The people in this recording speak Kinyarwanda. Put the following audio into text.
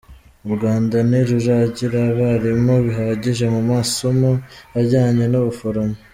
U Rwanda ntiruragira abarimu bahagije mu masomo ajyanye n’ubuforomo.